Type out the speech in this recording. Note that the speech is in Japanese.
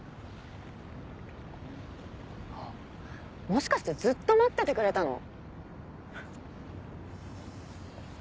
もしかしてずっと待っててくれたの？